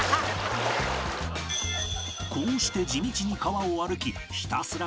こうして地道に川を歩きひたすら